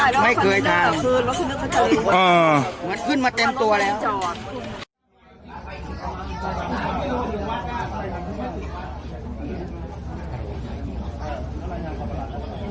ส่วนออกจากวันศาสตร์ถามว่าภอมูลไข้ที่วันก็ได้